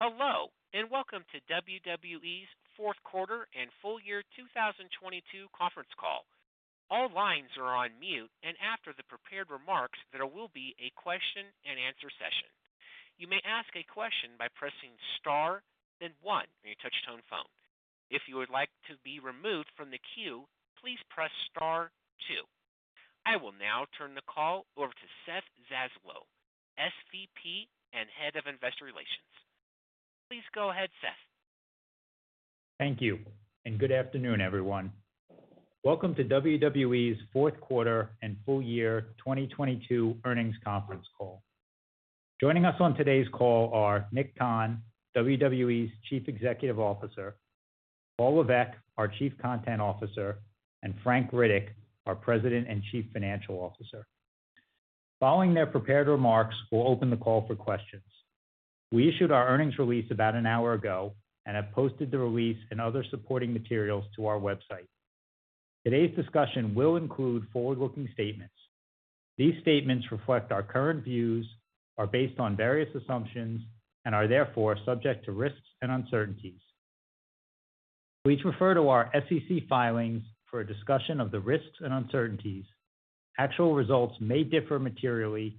Hello, welcome to WWE's fourth quarter and full year 2022 conference call. All lines are on mute, and after the prepared remarks, there will be a question and answer session. You may ask a question by pressing star then one on your touch-tone phone. If you would like to be removed from the queue, please press star two. I will now turn the call over to Seth Zaslow, SVP and Head of Investor Relations. Please go ahead, Seth. Thank you. Good afternoon, everyone. Welcome to WWE's Fourth Quarter and Full Year 2022 Earnings Conference Call. Joining us on today's call are Nick Khan, WWE's Chief Executive Officer, Paul Levesque, our Chief Content Officer, and Frank Riddick, our President and Chief Financial Officer. Following their prepared remarks, we'll open the call for questions. We issued our earnings release about an hour ago and have posted the release and other supporting materials to our website. Today's discussion will include forward-looking statements. These statements reflect our current views, are based on various assumptions, and are therefore subject to risks and uncertainties. Please refer to our SEC filings for a discussion of the risks and uncertainties. Actual results may differ materially.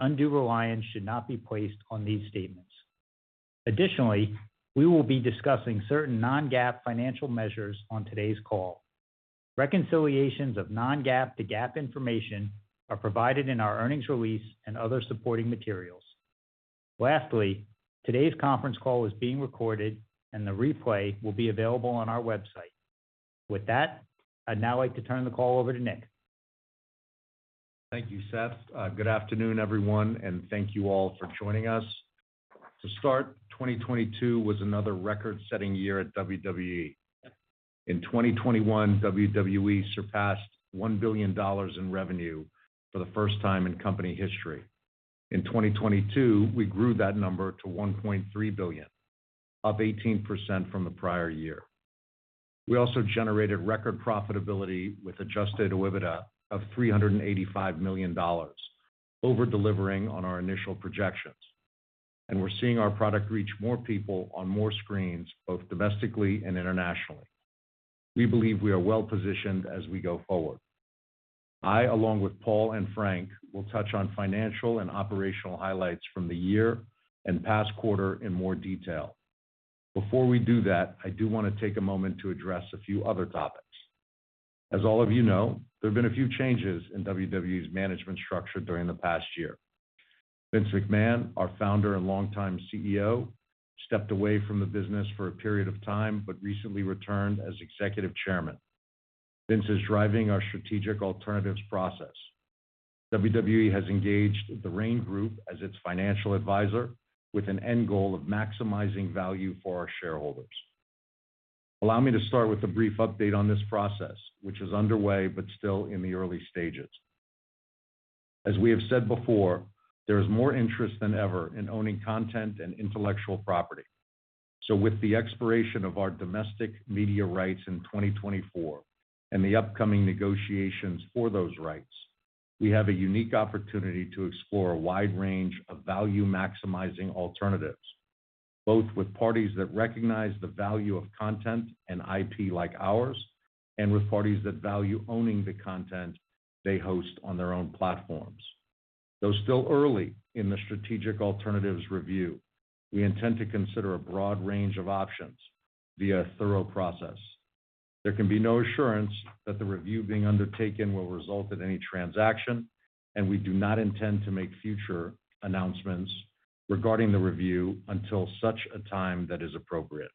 Undue reliance should not be placed on these statements. Additionally, we will be discussing certain non-GAAP financial measures on today's call. Reconciliations of non-GAAP to GAAP information are provided in our earnings release and other supporting materials. Lastly, today's conference call is being recorded and the replay will be available on our website. With that, I'd now like to turn the call over to Nick. Thank you, Seth. Good afternoon, everyone, and thank you all for joining us. To start, 2022 was another record-setting year at WWE. In 2021, WWE surpassed $1 billion in revenue for the first time in company history. In 2022, we grew that number to $1.3 billion, up 18% from the prior year. We also generated record profitability with adjusted OIBDA of $385 million, over-delivering on our initial projections, and we're seeing our product reach more people on more screens, both domestically and internationally. We believe we are well-positioned as we go forward. I, along with Paul and Frank, will touch on financial and operational highlights from the year and past quarter in more detail. Before we do that, I do want to take a moment to address a few other topics. As all of you know, there have been a few changes in WWE's management structure during the past year. Vince McMahon, our founder and longtime CEO, stepped away from the business for a period of time, recently returned as Executive Chairman. Vince is driving our strategic alternatives process. WWE has engaged The Raine Group as its financial advisor with an end goal of maximizing value for our shareholders. Allow me to start with a brief update on this process, which is underway but still in the early stages. As we have said before, there is more interest than ever in owning content and intellectual property. With the expiration of our domestic media rights in 2024 and the upcoming negotiations for those rights, we have a unique opportunity to explore a wide range of value-maximizing alternatives, both with parties that recognize the value of content and IP like ours, and with parties that value owning the content they host on their own platforms. Though still early in the strategic alternatives review, we intend to consider a broad range of options via a thorough process. There can be no assurance that the review being undertaken will result in any transaction, and we do not intend to make future announcements regarding the review until such a time that is appropriate.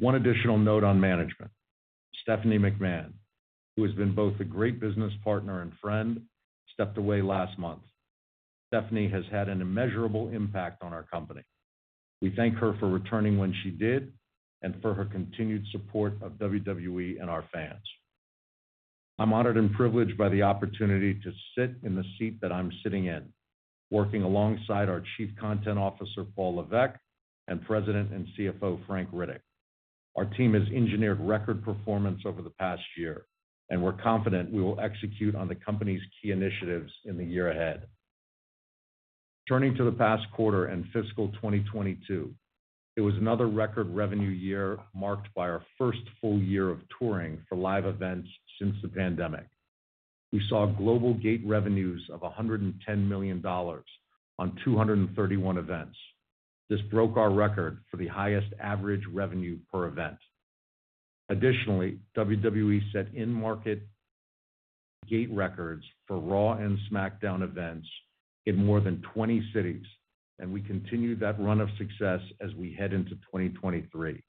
One additional note on management. Stephanie McMahon, who has been both a great business partner and friend, stepped away last month. Stephanie has had an immeasurable impact on our company. We thank her for returning when she did and for her continued support of WWE and our fans. I'm honored and privileged by the opportunity to sit in the seat that I'm sitting in, working alongside our Chief Content Officer, Paul Levesque, and President and CFO, Frank Riddick. Our team has engineered record performance over the past year, and we're confident we will execute on the company's key initiatives in the year ahead. Turning to the past quarter and fiscal 2022, it was another record revenue year marked by our first full year of touring for live events since the pandemic. We saw global gate revenues of $110 million on 231 events. This broke our record for the highest average revenue per event. Additionally, WWE set in-market gate records for Raw and SmackDown events in more than 20 cities, and we continue that run of success as we head into 2023.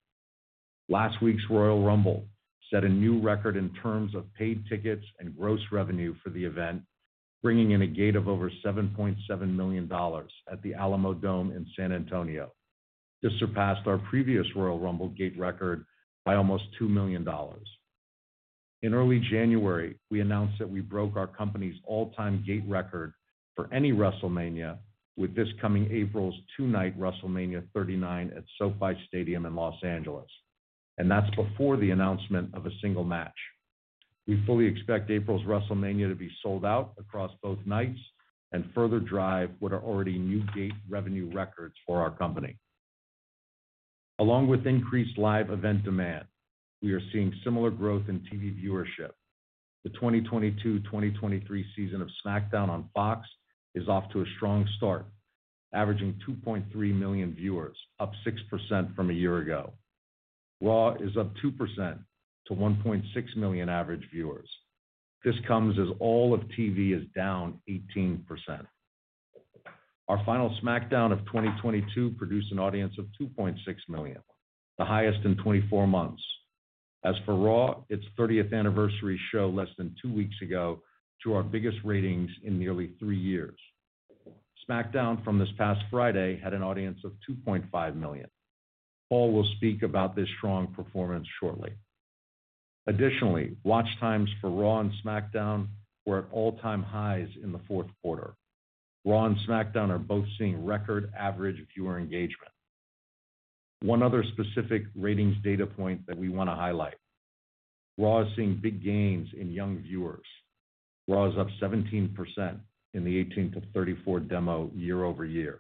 Last week's Royal Rumble set a new record in terms of paid tickets and gross revenue for the event, bringing in a gate of over $7.7 million at the Alamodome in San Antonio. This surpassed our previous Royal Rumble gate record by almost $2 million. In early January, we announced that we broke our company's all-time gate record for any WrestleMania with this coming April's two-night WrestleMania 39 at SoFi Stadium in Los Angeles, and that's before the announcement of a single match. We fully expect April's WrestleMania to be sold out across both nights and further drive what are already new gate revenue records for our company. Along with increased live event demand, we are seeing similar growth in TV viewership. The 2022/2023 season of SmackDown on Fox is off to a strong start, averaging 2.3 million viewers, up 6% from a year ago. Raw is up 2% to 1.6 million average viewers. This comes as all of TV is down 18%. Our final SmackDown of 2022 produced an audience of 2.6 million, the highest in 24 months. As for Raw, its 30th anniversary show less than two weeks ago drew our biggest ratings in nearly three years. SmackDown from this past Friday had an audience of 2.5 million. Paul will speak about this strong performance shortly. Additionally, watch times for Raw and SmackDown were at all-time highs in the fourth quarter. Raw and SmackDown are both seeing record average viewer engagement. One other specific ratings data point that we wanna highlight. Raw is seeing big gains in young viewers. Raw is up 17% in the 18 to 34 demo year-over-year.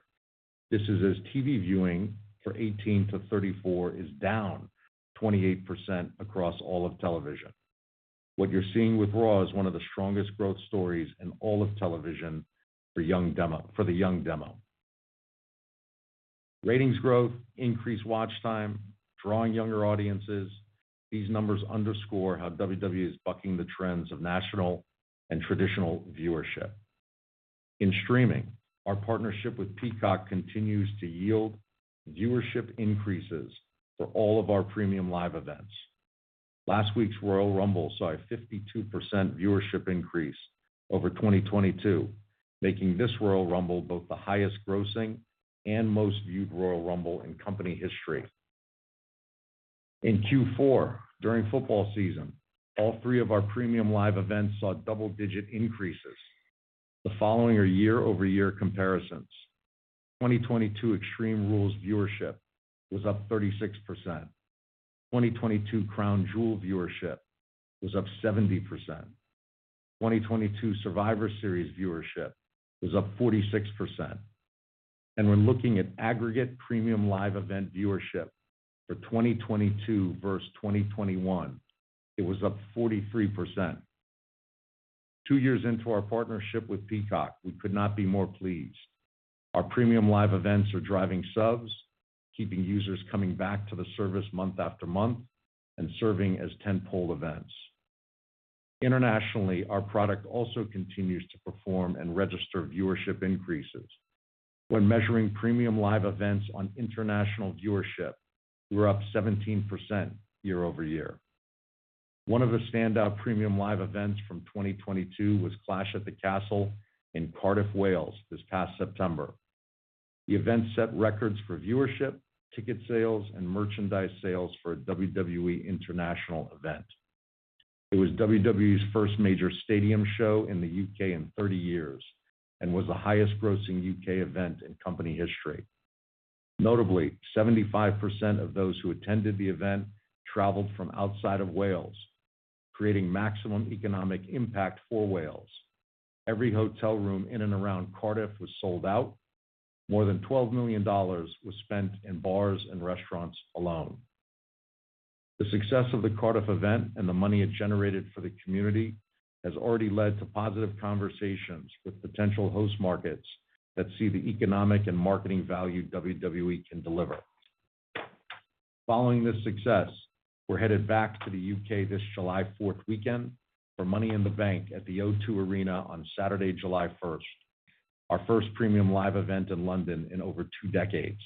This is as TV viewing for 18 to 34 is down 28% across all of television. What you're seeing with Raw is one of the strongest growth stories in all of television for young demo for the young demo. Ratings growth, increased watch time, drawing younger audiences, these numbers underscore how WWE is bucking the trends of national and traditional viewership. In streaming, our partnership with Peacock continues to yield viewership increases for all of our premium live events. Last week's Royal Rumble saw a 52% viewership increase over 2022, making this Royal Rumble both the highest grossing and most viewed Royal Rumble in company history. In Q4, during football season, all three of our premium live events saw double-digit increases. The following are year-over-year comparisons. 2022 Extreme Rules viewership was up 36%. 2022 Crown Jewel viewership was up 70%. 2022 Survivor Series viewership was up 46%. When looking at aggregate premium live event viewership for 2022 versus 2021, it was up 43%. Two years into our partnership with Peacock, we could not be more pleased. Our premium live events are driving subs, keeping users coming back to the service month after month and serving as tent pole events. Internationally, our product also continues to perform and register viewership increases. When measuring premium live events on international viewership, we're up 17% year-over-year. One of the standout premium live events from 2022 was Clash at the Castle in Cardiff, Wales this past September. The event set records for viewership, ticket sales, and merchandise sales for a WWE international event. It was WWE's first major stadium show in the U.K. in 30 years and was the highest grossing U.K. event in company history. Notably, 75% of those who attended the event traveled from outside of Wales, creating maximum economic impact for Wales. Every hotel room in and around Cardiff was sold out. More than $12 million was spent in bars and restaurants alone. The success of the Cardiff event and the money it generated for the community has already led to positive conversations with potential host markets that see the economic and marketing value WWE can deliver. Following this success, we're headed back to the U.K. this July 4th weekend for Money in the Bank at the O2 Arena on Saturday, July 1st, our first premium live event in London in over two decades.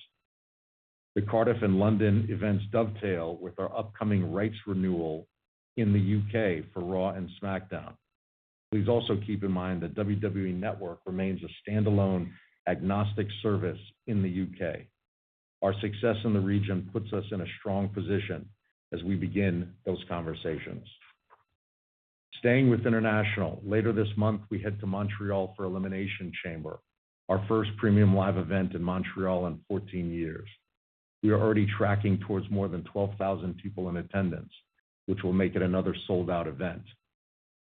The Cardiff and London events dovetail with our upcoming rights renewal in the U.K. for Raw and SmackDown. Please also keep in mind that WWE Network remains a standalone agnostic service in the U.K. Our success in the region puts us in a strong position as we begin those conversations. Staying with international, later this month, we head to Montreal for Elimination Chamber, our first premium live event in Montreal in 14 years. We are already tracking towards more than 12,000 people in attendance, which will make it another sold-out event.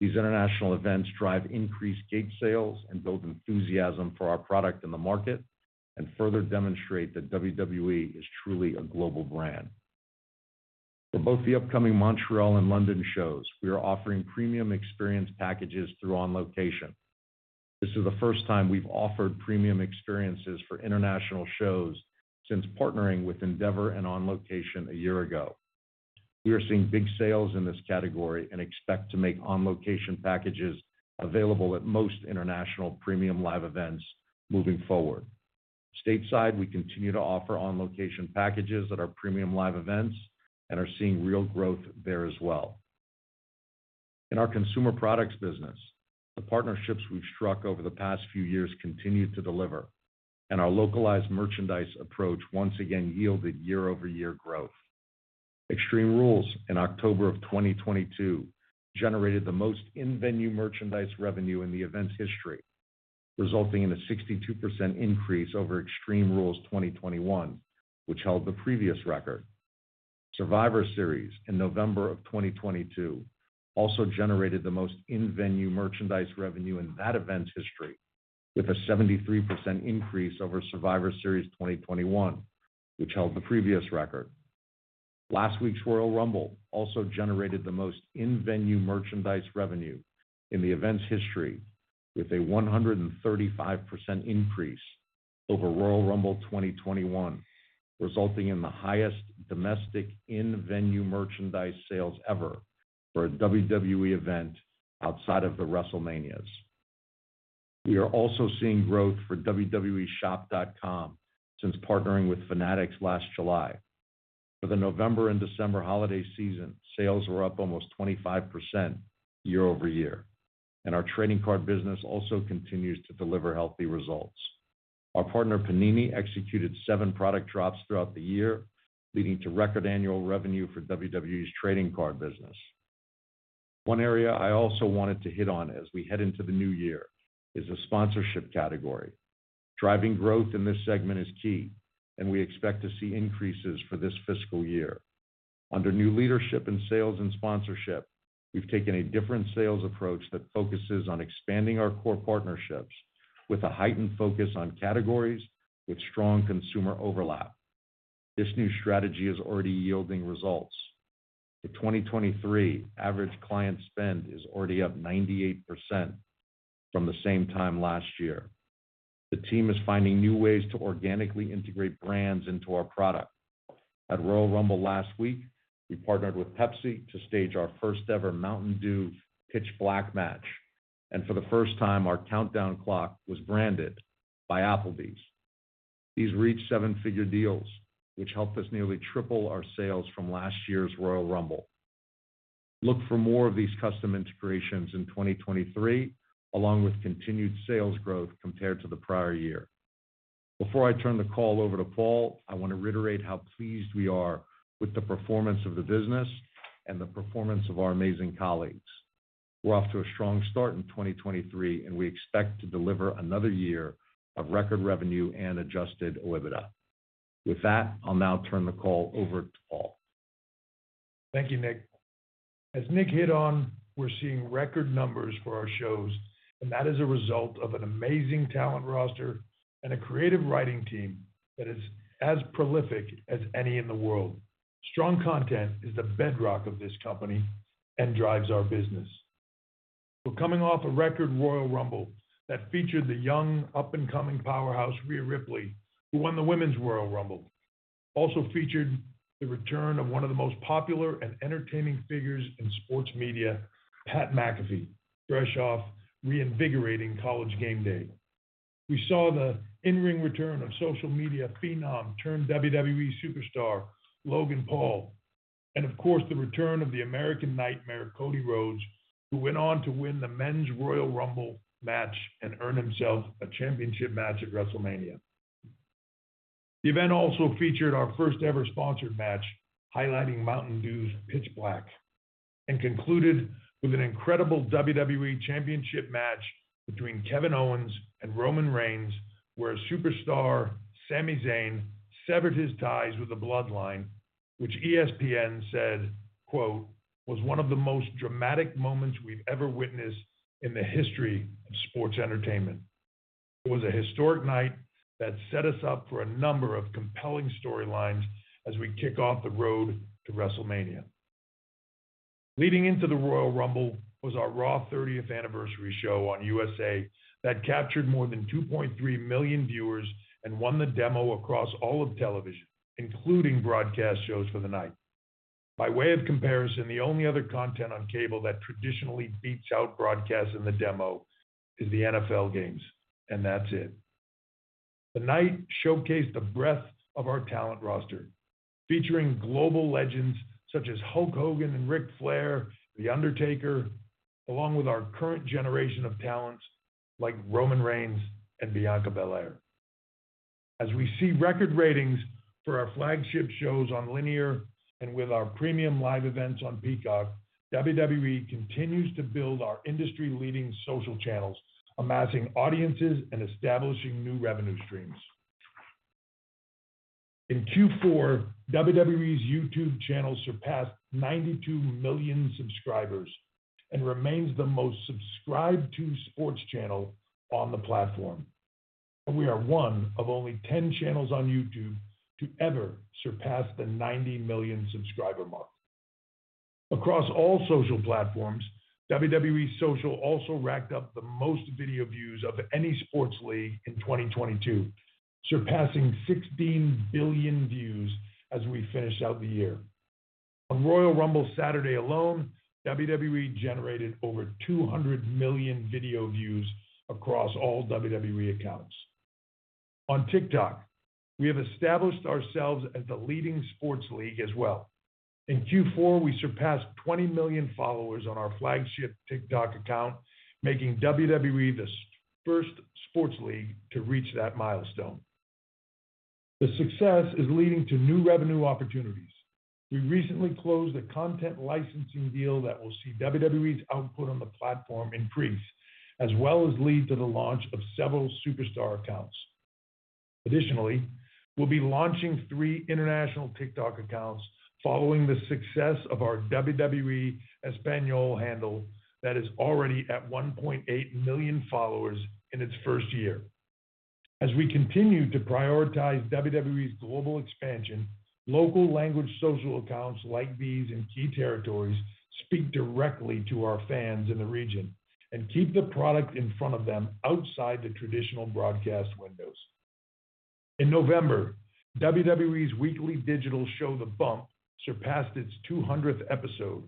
These international events drive increased gate sales and build enthusiasm for our product in the market and further demonstrate that WWE is truly a global brand. For both the upcoming Montreal and London shows, we are offering premium experience packages through On Location. This is the first time we've offered premium experiences for international shows since partnering with Endeavor and On Location a year ago. We are seeing big sales in this category and expect to make On Location packages available at most international premium live events moving forward. Stateside, we continue to offer On Location packages at our premium live events and are seeing real growth there as well. In our consumer products business, the partnerships we've struck over the past few years continue to deliver, and our localized merchandise approach once again yielded year-over-year growth. Extreme Rules in October of 2022 generated the most in-venue merchandise revenue in the event's history. Resulting in a 62% increase over Extreme Rules 2021, which held the previous record. Survivor Series in November of 2022 also generated the most in-venue merchandise revenue in that event's history with a 73% increase over Survivor Series 2021, which held the previous record. Last week's Royal Rumble also generated the most in-venue merchandise revenue in the event's history with a 135% increase over Royal Rumble 2021, resulting in the highest domestic in-venue merchandise sales ever for a WWE event outside of the WrestleManias. We are also seeing growth for WWEshop.com since partnering with Fanatics last July. For the November and December holiday season, sales were up almost 25% year-over-year, and our trading card business also continues to deliver healthy results. Our partner, Panini, executed seven product drops throughout the year, leading to record annual revenue for WWE's trading card business. One area I also wanted to hit on as we head into the new year is the sponsorship category. Driving growth in this segment is key, and we expect to see increases for this fiscal year. Under new leadership in sales and sponsorship, we've taken a different sales approach that focuses on expanding our core partnerships with a heightened focus on categories with strong consumer overlap. This new strategy is already yielding results. For 2023, average client spend is already up 98% from the same time last year. The team is finding new ways to organically integrate brands into our product. At Royal Rumble last week, we partnered with Pepsi to stage our first-ever Mountain Dew Pitch Black match. For the first time, our countdown clock was branded by Applebee's. These reached seven-figure deals, which helped us nearly triple our sales from last year's Royal Rumble. Look for more of these custom integrations in 2023, along with continued sales growth compared to the prior year. Before I turn the call over to Paul, I want to reiterate how pleased we are with the performance of the business and the performance of our amazing colleagues. We're off to a strong start in 2023. We expect to deliver another year of record revenue and adjusted OIBDA. With that, I'll now turn the call over to Paul. Thank you, Nick. As Nick hit on, we're seeing record numbers for our shows, that is a result of an amazing talent roster and a creative writing team that is as prolific as any in the world. Strong content is the bedrock of this company and drives our business. We're coming off a record Royal Rumble that featured the young up-and-coming powerhouse, Rhea Ripley, who won the Women's Royal Rumble. Also featured the return of one of the most popular and entertaining figures in sports media, Pat McAfee, fresh off reinvigorating College GameDay. We saw the in-ring return of social media phenom turned WWE superstar, Logan Paul. Of course, the return of The American Nightmare, Cody Rhodes, who went on to win the men's Royal Rumble match and earn himself a championship match at WrestleMania. The event also featured our first-ever sponsored match, highlighting Mountain Dew's Pitch Black, and concluded with an incredible WWE Championship match between Kevin Owens and Roman Reigns, where a superstar, Sami Zayn, severed his ties with The Bloodline, which ESPN said, quote, "Was one of the most dramatic moments we've ever witnessed in the history of sports entertainment." It was a historic night that set us up for a number of compelling storylines as we kick off the road to WrestleMania. Leading into the Royal Rumble was our Raw 30th anniversary show on USA that captured more than 2.3 million viewers and won the demo across all of television, including broadcast shows for the night. By way of comparison, the only other content on cable that traditionally beats out broadcast in the demo is the NFL games, and that's it. The night showcased the breadth of our talent roster, featuring global legends such as Hulk Hogan and Ric Flair, The Undertaker, along with our current generation of talents like Roman Reigns and Bianca Belair. As we see record ratings for our flagship shows on linear and with our premium live events on Peacock, WWE continues to build our industry-leading social channels, amassing audiences and establishing new revenue streams. In Q4, WWE's YouTube channel surpassed 92 million subscribers and remains the most subscribed to sports channel on the platform. We are one of only 10 channels on YouTube to ever surpass the 90 million subscriber mark. Across all social platforms, WWE Social also racked up the most video views of any sports league in 2022, surpassing 16 billion views as we finish out the year. On Royal Rumble Saturday alone, WWE generated over 200 million video views across all WWE accounts. On TikTok, we have established ourselves as the leading sports league as well. In Q4, we surpassed 20 million followers on our flagship TikTok account, making WWE the first sports league to reach that milestone. The success is leading to new revenue opportunities. We recently closed a content licensing deal that will see WWE's output on the platform increase, as well as lead to the launch of several superstar accounts. Additionally, we'll be launching three international TikTok accounts following the success of our WWE Español handle that is already at 1.8 million followers in its first year. As we continue to prioritize WWE's global expansion, local language social accounts like these in key territories speak directly to our fans in the region and keep the product in front of them outside the traditional broadcast windows. In November, WWE's weekly digital show, The Bump, surpassed its 200th episode.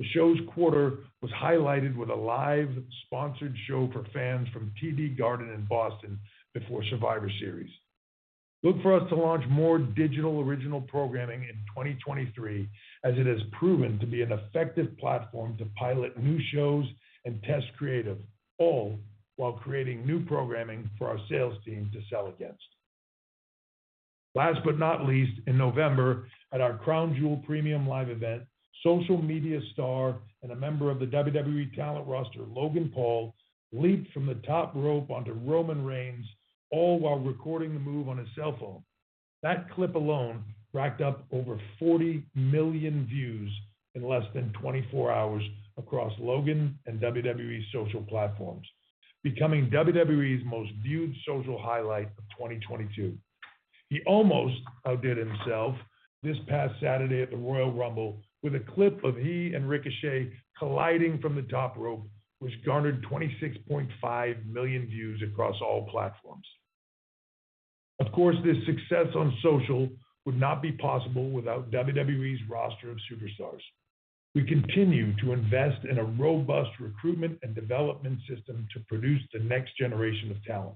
The show's quarter was highlighted with a live sponsored show for fans from TD Garden in Boston before Survivor Series. Look for us to launch more digital original programming in 2023, as it has proven to be an effective platform to pilot new shows and test creative, all while creating new programming for our sales team to sell against. Last but not least, in November, at our Crown Jewel premium live event, social media star and a member of the WWE talent roster, Logan Paul, leaped from the top rope onto Roman Reigns, all while recording the move on his cell phone. That clip alone racked up over 40 million views in less than 24 hours across Logan and WWE social platforms, becoming WWE's most viewed social highlight of 2022. He almost outdid himself this past Saturday at the Royal Rumble with a clip of he and Ricochet colliding from the top rope, which garnered 26.5 million views across all platforms. Of course, this success on social would not be possible without WWE's roster of superstars. We continue to invest in a robust recruitment and development system to produce the next generation of talent.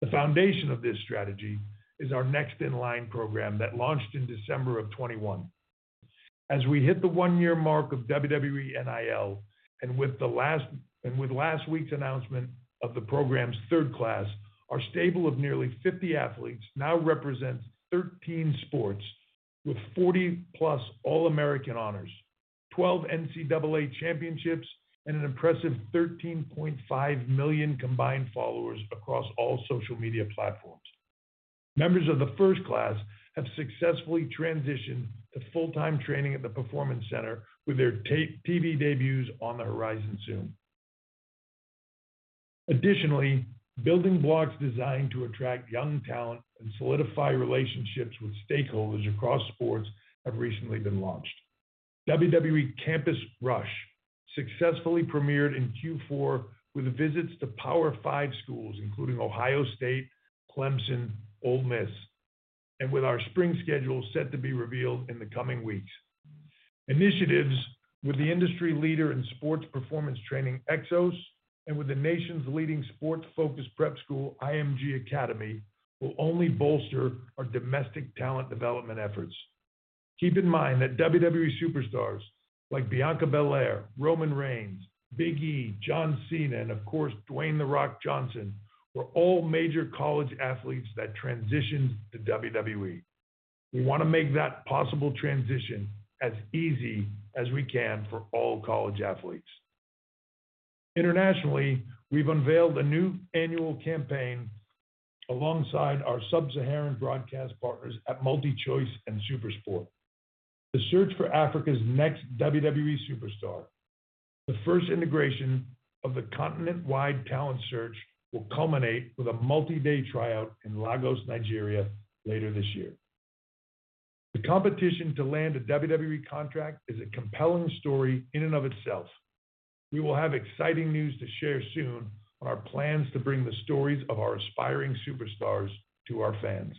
The foundation of this strategy is our Next In Line program that launched in December of 21. As we hit the one-year mark of WWE NIL, with last week's announcement of the program's third class, our stable of nearly 50 athletes now represents 13 sports with 40+ All-American honors, 12 NCAA championships and an impressive 13.5 million combined followers across all social media platforms. Members of the first class have successfully transitioned to full-time training at the Performance Center with their TV debuts on the horizon soon. Additionally, building blocks designed to attract young talent and solidify relationships with stakeholders across sports have recently been launched. WWE Campus Rush successfully premiered in Q4 with visits to Power Five schools, including Ohio State, Clemson, Ole Miss, and with our spring schedule set to be revealed in the coming weeks. Initiatives with the industry leader in sports performance training, Exos, and with the nation's leading sports-focused prep school, IMG Academy, will only bolster our domestic talent development efforts. Keep in mind that WWE Superstars like Bianca Belair, Roman Reigns, Big E, John Cena, and of course, Dwayne The Rock Johnson, were all major college athletes that transitioned to WWE. We want to make that possible transition as easy as we can for all college athletes. Internationally, we've unveiled a new annual campaign alongside our Sub-Saharan broadcast partners at MultiChoice and SuperSport. The search for Africa's next WWE Superstar, the first integration of the continent-wide talent search, will culminate with a multi-day tryout in Lagos, Nigeria, later this year. The competition to land a WWE contract is a compelling story in and of itself. We will have exciting news to share soon on our plans to bring the stories of our aspiring superstars to our fans.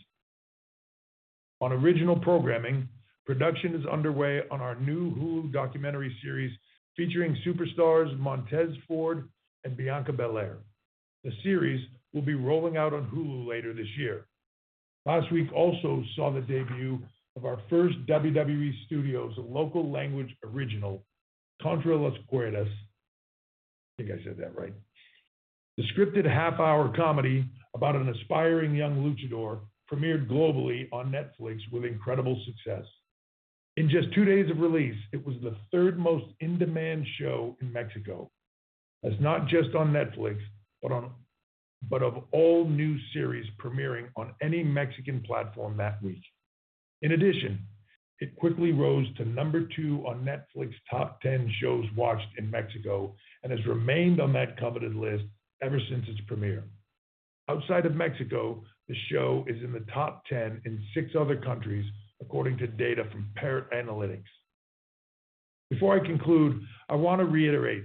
On original programming, production is underway on our new Hulu documentary series featuring superstars Montez Ford and Bianca Belair. The series will be rolling out on Hulu later this year. Last week also saw the debut of our first WWE Studios local language original, Contra Las Cuerdas. I think I said that right. The scripted half-hour comedy about an aspiring young luchador premiered globally on Netflix with incredible success. In just two days of release, it was the third most in-demand show in Mexico. That's not just on Netflix, but of all new series premiering on any Mexican platform that week. In addition, it quickly rose to number two on Netflix's top ten shows watched in Mexico and has remained on that coveted list ever since its premiere. Outside of Mexico, the show is in the top ten in six other countries, according to data from Parrot Analytics. Before I conclude, I want to reiterate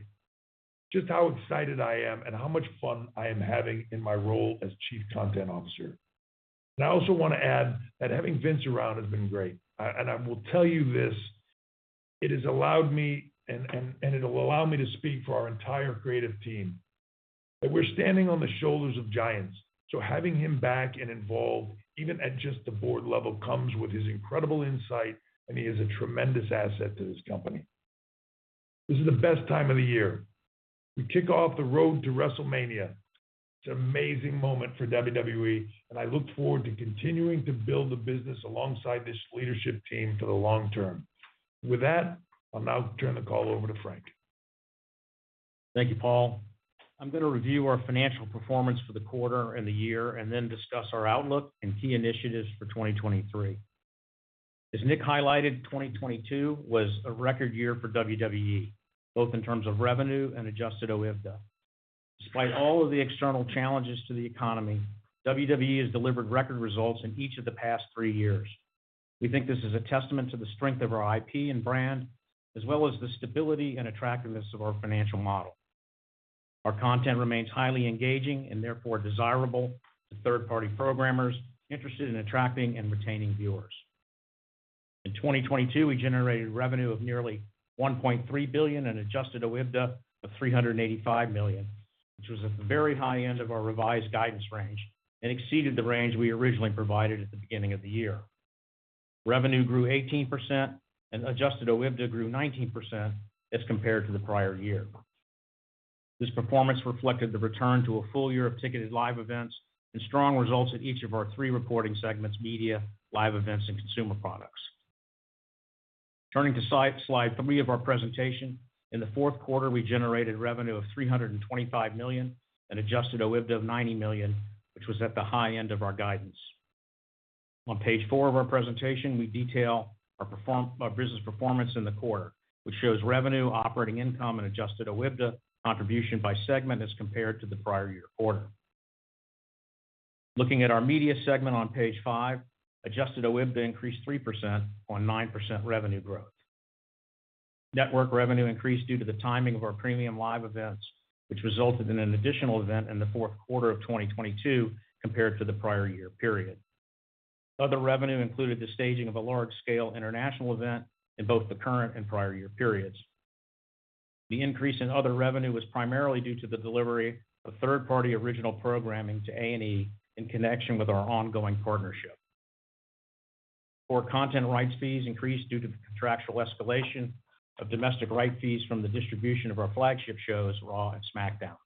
just how excited I am and how much fun I am having in my role as Chief Content Officer. I also want to add that having Vince around has been great. I will tell you this, it has allowed me and it'll allow me to speak for our entire creative team, that we're standing on the shoulders of giants. Having him back and involved, even at just the board level, comes with his incredible insight, and he is a tremendous asset to this company. This is the best time of the year. We kick off the road to WrestleMania. It's an amazing moment for WWE, and I look forward to continuing to build the business alongside this leadership team for the long term. With that, I'll now turn the call over to Frank. Thank you, Paul. I'm going to review our financial performance for the quarter and the year, and then discuss our outlook and key initiatives for 2023. As Nick highlighted, 2022 was a record year for WWE, both in terms of revenue and adjusted OIBDA. Despite all of the external challenges to the economy, WWE has delivered record results in each of the past three years. We think this is a testament to the strength of our IP and brand, as well as the stability and attractiveness of our financial model. Our content remains highly engaging and therefore desirable to third-party programmers interested in attracting and retaining viewers. In 2022, we generated revenue of nearly $1.3 billion and adjusted OIBDA of $385 million, which was at the very high end of our revised guidance range and exceeded the range we originally provided at the beginning of the year. Revenue grew 18% and adjusted OIBDA grew 19% as compared to the prior year. This performance reflected the return to a full year of ticketed live events and strong results at each of our 3 reporting segments, media, live events, and consumer products. Turning to slide three of our presentation, in the fourth quarter, we generated revenue of $325 million and adjusted OIBDA of $90 million, which was at the high end of our guidance. On page four of our presentation, we detail our business performance in the quarter, which shows revenue, operating income, and adjusted OIBDA contribution by segment as compared to the prior year quarter. Looking at our media segment on page five, adjusted OIBDA increased 3% on 9% revenue growth. Network revenue increased due to the timing of our premium live events, which resulted in an additional event in the fourth quarter of 2022 compared to the prior year period. Other revenue included the staging of a large-scale international event in both the current and prior year periods. The increase in other revenue was primarily due to the delivery of third-party original programming to A&E in connection with our ongoing partnership. Core content rights fees increased due to the contractual escalation of domestic right fees from the distribution of our flagship shows, Raw and SmackDown.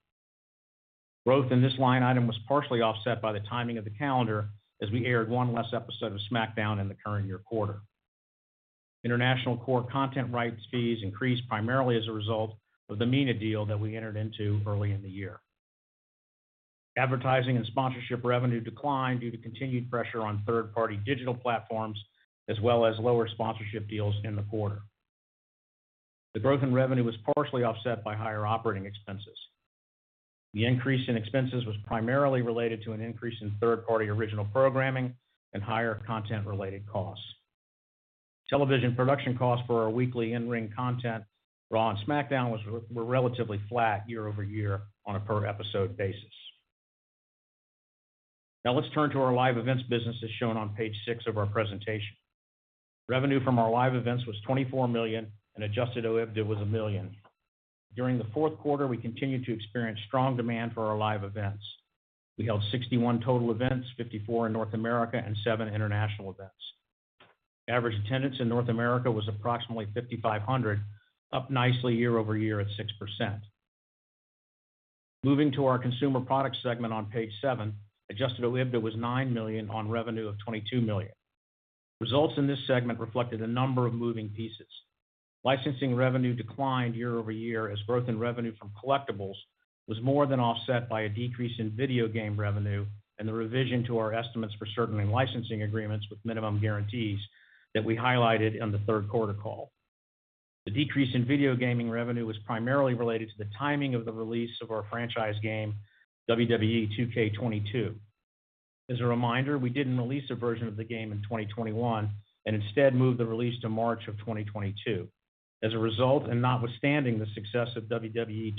Growth in this line item was partially offset by the timing of the calendar, as we aired one less episode of SmackDown in the current year quarter. International core content rights fees increased primarily as a result of the MENA deal that we entered into early in the year. Advertising and sponsorship revenue declined due to continued pressure on third-party digital platforms, as well as lower sponsorship deals in the quarter. The growth in revenue was partially offset by higher operating expenses. The increase in expenses was primarily related to an increase in third-party original programming and higher content-related costs. Television production costs for our weekly in-ring content, Raw and SmackDown, were relatively flat year-over-year on a per-episode basis. Let's turn to our live events business as shown on page six of our presentation. Revenue from our live events was $24 million and adjusted OIBDA was $1 million. During the fourth quarter, we continued to experience strong demand for our live events. We held 61 total events, 54 in North America and seven international events. Average attendance in North America was approximately 5,500, up nicely year-over-year at 6%. Moving to our consumer products segment on page seven, adjusted OIBDA was $9 million on revenue of $22 million. Results in this segment reflected a number of moving pieces. Licensing revenue declined year-over-year as growth in revenue from collectibles was more than offset by a decrease in video game revenue and the revision to our estimates for certain licensing agreements with minimum guarantees that we highlighted on the third quarter call. The decrease in video gaming revenue was primarily related to the timing of the release of our franchise game, WWE 2K22. As a reminder, we didn't release a version of the game in 2021 and instead moved the release to March of 2022. As a result, notwithstanding the success of WWE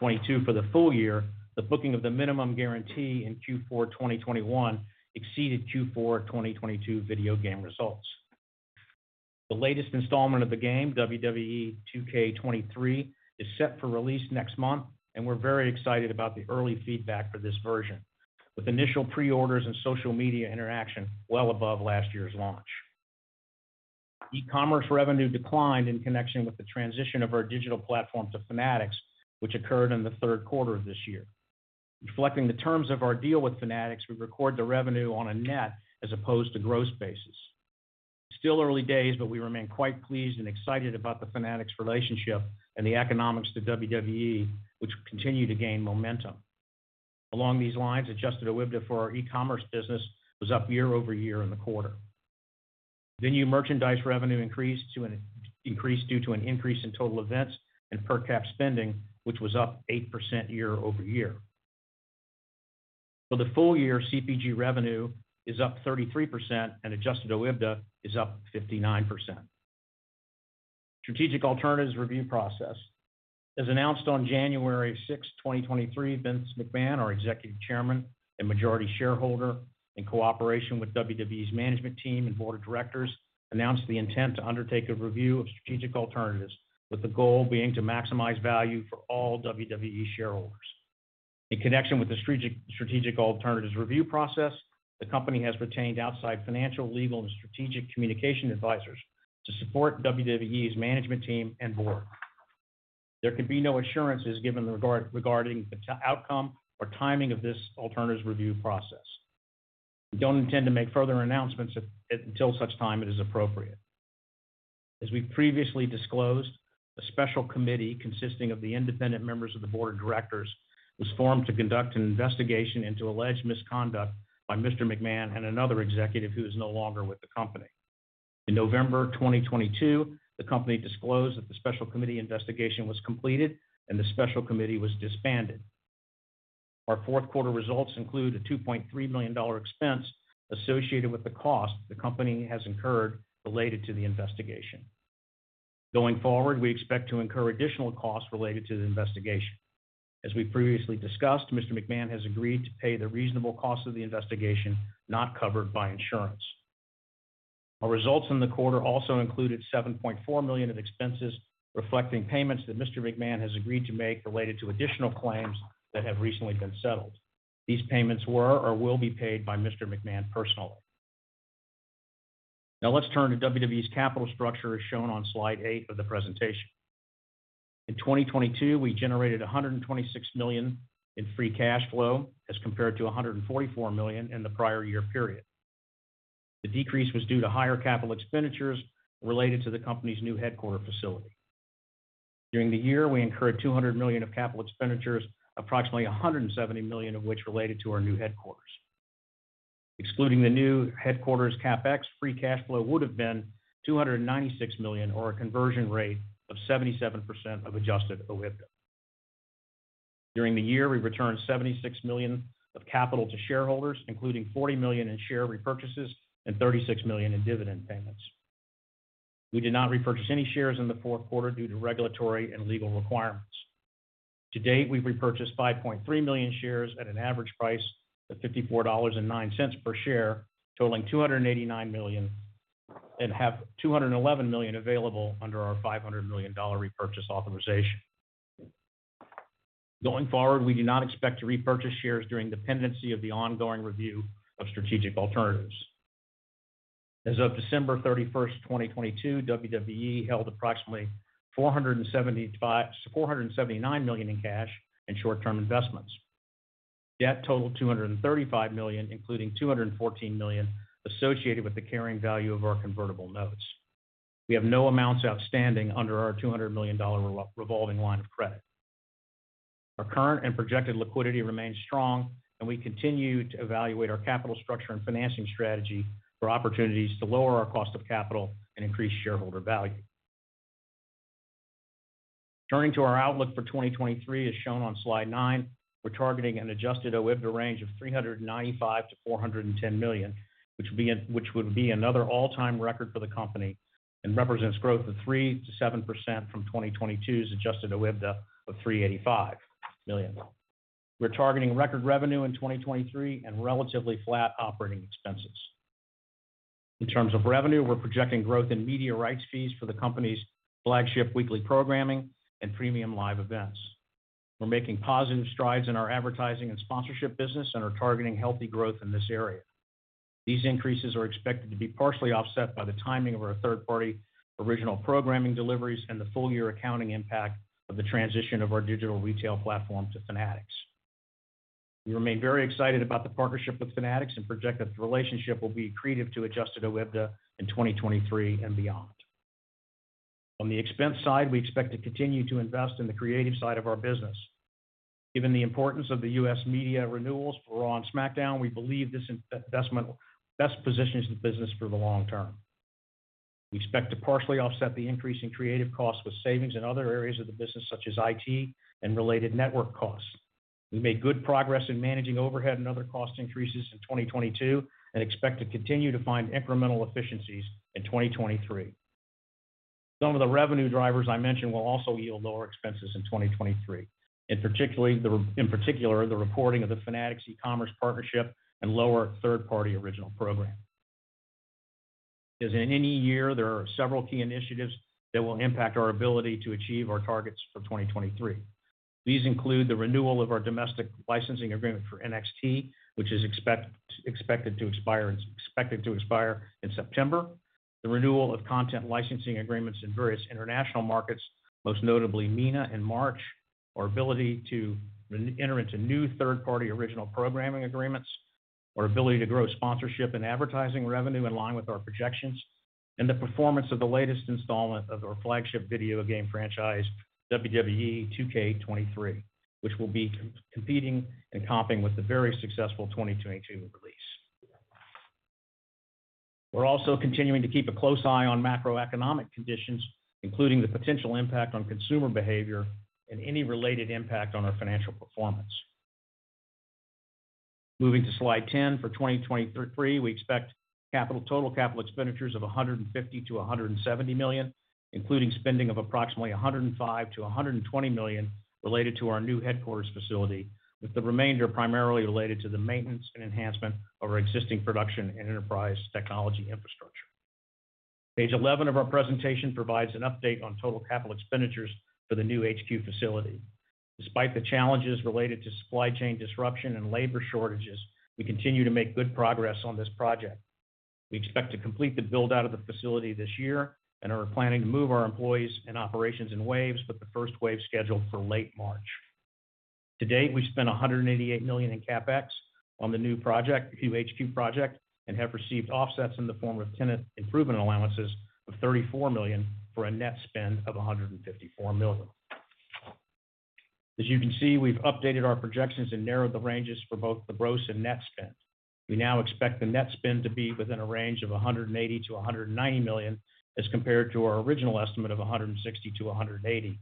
2K22 for the full year, the booking of the minimum guarantee in Q4 2021 exceeded Q4 2022 video game results. The latest installment of the game, WWE 2K23, is set for release next month, we're very excited about the early feedback for this version, with initial pre-orders and social media interaction well above last year's launch. E-commerce revenue declined in connection with the transition of our digital platform to Fanatics, which occurred in the third quarter of this year. Reflecting the terms of our deal with Fanatics, we record the revenue on a net as opposed to gross basis. We remain quite pleased and excited about the Fanatics relationship and the economics to WWE, which continue to gain momentum. Along these lines, adjusted OIBDA for our e-commerce business was up year-over-year in the quarter. Venue merchandise revenue increased due to an increase in total events and per cap spending, which was up 8% year-over-year. For the full year, CPG revenue is up 33% and adjusted OIBDA is up 59%. Strategic alternatives review process. As announced on January 6, 2023, Vince McMahon, our Executive Chairman and majority shareholder, in cooperation with WWE's management team and board of directors, announced the intent to undertake a review of strategic alternatives, with the goal being to maximize value for all WWE shareholders. In connection with the strategic alternatives review process, the company has retained outside financial, legal, and strategic communication advisors to support WWE's management team and board. There can be no assurances given regarding the outcome or timing of this alternatives review process. We don't intend to make further announcements until such time it is appropriate. As we previously disclosed, a special committee consisting of the independent members of the board of directors was formed to conduct an investigation into alleged misconduct by Mr. McMahon and another executive who is no longer with the company. In November 2022, the company disclosed that the special committee investigation was completed and the special committee was disbanded. Our fourth quarter results include a $2.3 million expense associated with the cost the company has incurred related to the investigation. Going forward, we expect to incur additional costs related to the investigation. As we previously discussed, Mr. McMahon has agreed to pay the reasonable cost of the investigation not covered by insurance. Our results in the quarter also included $7.4 million of expenses reflecting payments that Mr. McMahon has agreed to make related to additional claims that have recently been settled. These payments were or will be paid by Mr. McMahon personally. Now let's turn to WWE's capital structure as shown on slide eight of the presentation. In 2022, we generated $126 million in free cash flow as compared to $144 million in the prior year period. The decrease was due to higher capital expenditures related to the company's new headquarters facility. During the year, we incurred $200 million of capital expenditures, approximately $170 million of which related to our new headquarters. Excluding the new headquarters CapEx, free cash flow would have been $296 million or a conversion rate of 77% of adjusted OIBDA. During the year, we returned $76 million of capital to shareholders, including $40 million in share repurchases and $36 million in dividend payments. We did not repurchase any shares in the fourth quarter due to regulatory and legal requirements. To date, we've repurchased 5.3 million shares at an average price of $54.09 per share, totaling $289 million, and have $211 million available under our $500 million repurchase authorization. Going forward, we do not expect to repurchase shares during the pendency of the ongoing review of strategic alternatives. As of December 31, 2022, WWE held approximately $479 million in cash and short-term investments. Debt totaled $235 million, including $214 million associated with the carrying value of our convertible notes. We have no amounts outstanding under our $200 million revolving line of credit. Our current and projected liquidity remains strong. We continue to evaluate our capital structure and financing strategy for opportunities to lower our cost of capital and increase shareholder value. Turning to our outlook for 2023 as shown on slide nine, we're targeting an adjusted OIBDA range of $395 million-$410 million, which would be another all-time record for the company and represents growth of 3%-7% from 2022's adjusted OIBDA of $385 million. We're targeting record revenue in 2023 and relatively flat operating expenses. In terms of revenue, we're projecting growth in media rights fees for the company's flagship weekly programming and premium live events. We're making positive strides in our advertising and sponsorship business and are targeting healthy growth in this area. These increases are expected to be partially offset by the timing of our third-party original programming deliveries and the full year accounting impact of the transition of our digital retail platform to Fanatics. We remain very excited about the partnership with Fanatics and project that the relationship will be accretive to adjusted OIBDA in 2023 and beyond. On the expense side, we expect to continue to invest in the creative side of our business. Given the importance of the U.S. media renewals for Raw and SmackDown, we believe this investment best positions the business for the long term. We expect to partially offset the increase in creative costs with savings in other areas of the business such as IT and related network costs. We made good progress in managing overhead and other cost increases in 2022 and expect to continue to find incremental efficiencies in 2023. Some of the revenue drivers I mentioned will also yield lower expenses in 2023, in particular, the reporting of the Fanatics e-commerce partnership and lower third-party original programming. As in any year, there are several key initiatives that will impact our ability to achieve our targets for 2023. These include the renewal of our domestic licensing agreement for NXT, which is expected to expire in September, the renewal of content licensing agreements in various international markets, most notably MENA in March, our ability to enter into new third-party original programming agreements, our ability to grow sponsorship and advertising revenue in line with our projections, and the performance of the latest installment of our flagship video game franchise, WWE 2K23, which will be competing and comping with the very successful 2022 release. We're also continuing to keep a close eye on macroeconomic conditions, including the potential impact on consumer behavior and any related impact on our financial performance. Moving to slide 10, for 2023, we expect total capital expenditures of $150 million-$170 million, including spending of approximately $105 million-$120 million related to our new headquarters facility, with the remainder primarily related to the maintenance and enhancement of our existing production and enterprise technology infrastructure. Page 11 of our presentation provides an update on total capital expenditures for the new HQ facility. Despite the challenges related to supply chain disruption and labor shortages, we continue to make good progress on this project. We expect to complete the build-out of the facility this year and are planning to move our employees and operations in waves, with the first wave scheduled for late March. To date, we've spent $188 million in CapEx on the new project, the new HQ project, and have received offsets in the form of tenant improvement allowances of $34 million for a net spend of $154 million. As you can see, we've updated our projections and narrowed the ranges for both the gross and net spend. We now expect the net spend to be within a range of $180 million-$190 million, as compared to our original estimate of $160 million-$180 million.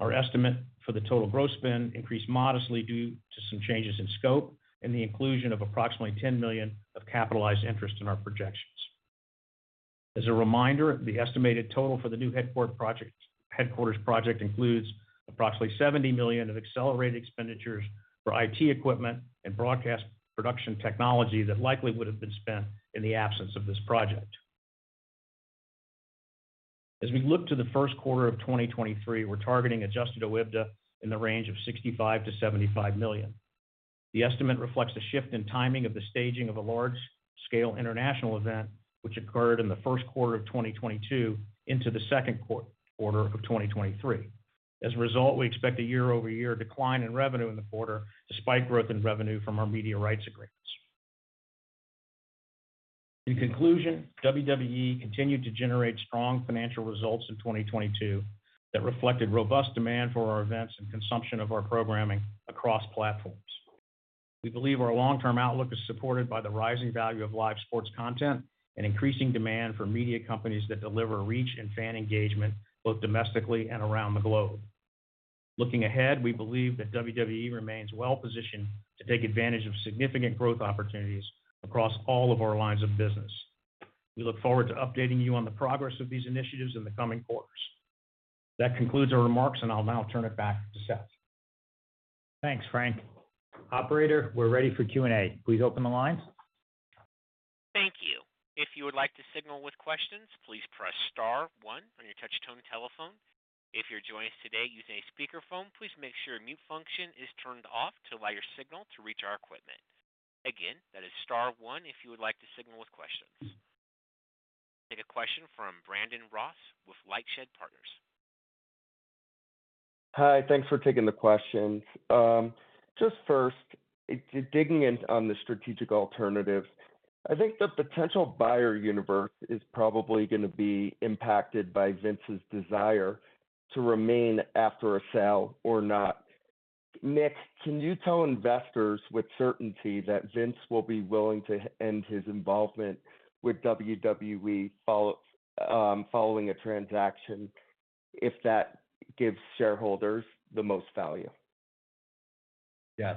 Our estimate for the total gross spend increased modestly due to some changes in scope and the inclusion of approximately $10 million of capitalized interest in our projections. A reminder, the estimated total for the new headquarters project includes approximately $70 million of accelerated expenditures for IT equipment and broadcast production technology that likely would have been spent in the absence of this project. We look to the first quarter of 2023, we're targeting adjusted OIBDA in the range of $65 million-$75 million. The estimate reflects a shift in timing of the staging of a large-scale international event, which occurred in the first quarter of 2022 into the second quarter of 2023. A result, we expect a year-over-year decline in revenue in the quarter, despite growth in revenue from our media rights agreements. In conclusion, WWE continued to generate strong financial results in 2022 that reflected robust demand for our events and consumption of our programming across platforms. We believe our long-term outlook is supported by the rising value of live sports content and increasing demand for media companies that deliver reach and fan engagement, both domestically and around the globe. Looking ahead, we believe that WWE remains well-positioned to take advantage of significant growth opportunities across all of our lines of business. We look forward to updating you on the progress of these initiatives in the coming quarters. That concludes our remarks. I'll now turn it back to Seth. Thanks, Frank. Operator, we're ready for Q&A. Please open the lines. Thank you. If you would like to signal with questions, please press star one on your touch-tone telephone. If you're joining us today using a speakerphone, please make sure mute function is turned off to allow your signal to reach our equipment. Again, that is star one if you would like to signal with questions. We have a question from Brandon Ross with LightShed Partners. Hi, thanks for taking the questions. Just first, digging in on the strategic alternatives. I think the potential buyer universe is probably gonna be impacted by Vince's desire to remain after a sale or not. Nick, can you tell investors with certainty that Vince will be willing to end his involvement with WWE following a transaction if that gives shareholders the most value? Yes,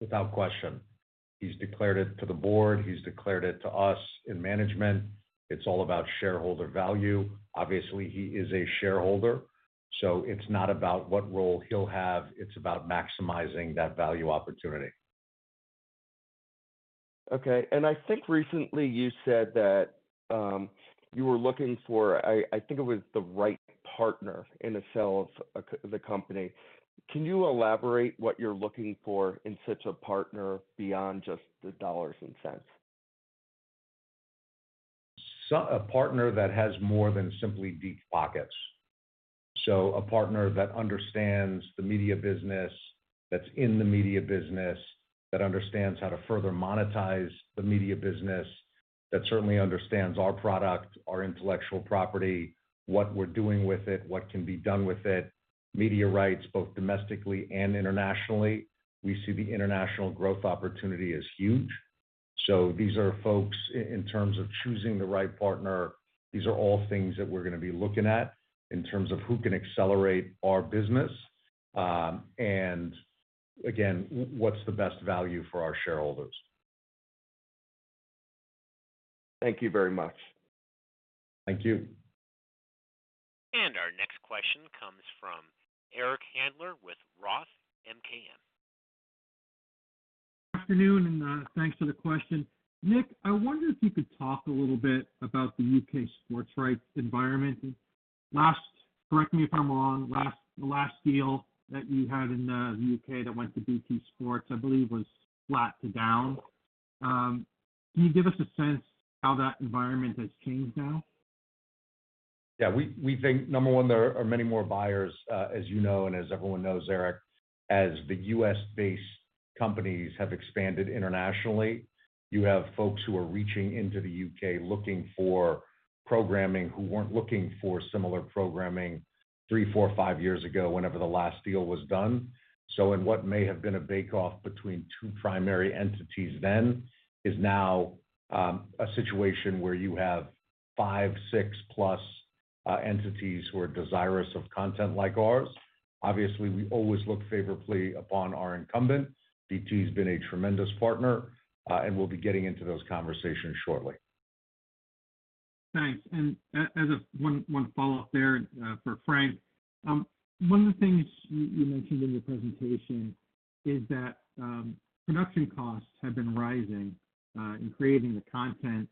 without question. He's declared it to the board. He's declared it to us in management. It's all about shareholder value. Obviously, he is a shareholder, so it's not about what role he'll have, it's about maximizing that value opportunity. Okay. I think recently you said that, you were looking for, I think it was the right partner in the sale of the company. Can you elaborate what you're looking for in such a partner beyond just the dollars and cents? A partner that has more than simply deep pockets. A partner that understands the media business, that's in the media business, that understands how to further monetize the media business. That certainly understands our product, our intellectual property, what we're doing with it, what can be done with it, media rights, both domestically and internationally. We see the international growth opportunity as huge. These are folks in terms of choosing the right partner, these are all things that we're gonna be looking at in terms of who can accelerate our business, and again, what's the best value for our shareholders. Thank you very much. Thank you. Our next question comes from Eric Handler with ROTH MKM. Good afternoon, thanks for the question. Nick, I wonder if you could talk a little bit about the U.K. sports rights environment. Last, correct me if I'm wrong, the last deal that you had in the U.K. that went to BT Sport, I believe, was flat to down. Can you give us a sense how that environment has changed now? Yeah. We think, number one, there are many more buyers, as you know, and as everyone knows, Eric. As the U.S.-based companies have expanded internationally, you have folks who are reaching into the U.K. looking for programming who weren't looking for similar programming three, four, five years ago, whenever the last deal was done. In what may have been a bake-off between two primary entities then, is now a situation where you have five, six-plus entities who are desirous of content like ours. Obviously, we always look favorably upon our incumbent. BT's been a tremendous partner, we'll be getting into those conversations shortly. Thanks. As a one follow-up there, for Frank. One of the things you mentioned in your presentation is that production costs have been rising in creating the content.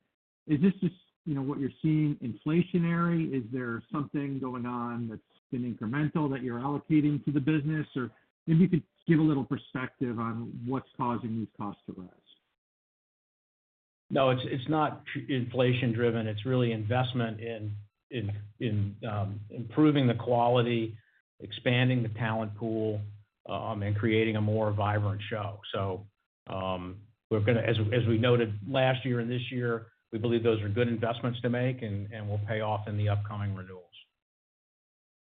Is this just, you know, what you're seeing inflationary? Is there something going on that's been incremental that you're allocating to the business, or maybe you could give a little perspective on what's causing these costs to rise? It's not inflation driven. It's really investment in improving the quality, expanding the talent pool, and creating a more vibrant show. we're gonna as we noted last year and this year, we believe those are good investments to make and will pay off in the upcoming renewals.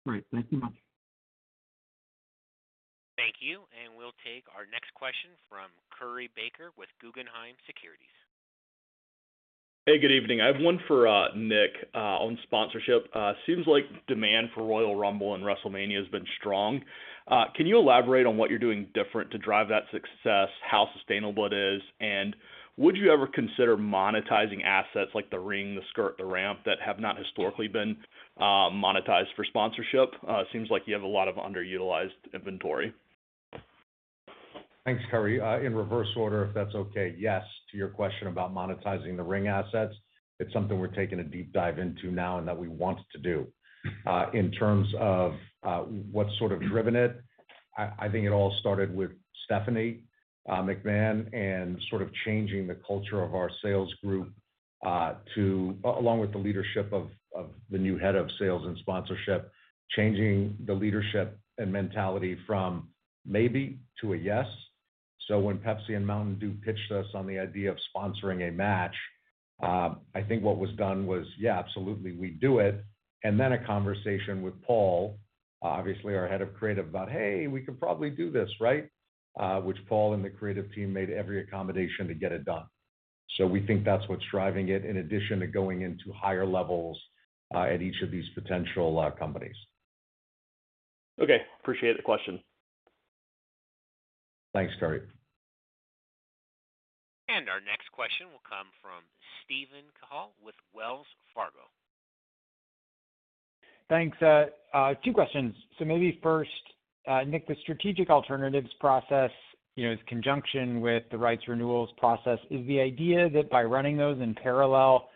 Great. Thank you much. Thank you. We'll take our next question from Curry Baker with Guggenheim Securities. Hey, good evening. I have one for Nick on sponsorship. Seems like demand for Royal Rumble and WrestleMania has been strong. Can you elaborate on what you're doing different to drive that success, how sustainable it is? Would you ever consider monetizing assets like the ring, the skirt, the ramp that have not historically been monetized for sponsorship? Seems like you have a lot of underutilized inventory. Thanks, Curry. In reverse order, if that's okay. Yes to your question about monetizing the ring assets. It's something we're taking a deep dive into now and that we want to do. In terms of what sort of driven it, I think it all started with Stephanie McMahon, and sort of changing the culture of our sales group, along with the leadership of the new head of sales and sponsorship, changing the leadership and mentality from maybe to a yes. When Pepsi and Mountain Dew pitched us on the idea of sponsoring a match, I think what was done was, yeah, absolutely, we do it. A conversation with Paul, obviously our head of creative, about, "Hey, we could probably do this, right?" Which Paul and the creative team made every accommodation to get it done. We think that's what's driving it, in addition to going into higher levels, at each of these potential companies. Okay. Appreciate the question. Thanks, Curry. Our next question will come from Steven Cahall with Wells Fargo. Thanks. Two questions. Maybe first, Nick, the strategic alternatives process, you know, in conjunction with the rights renewals process, is the idea that by running those in parallel,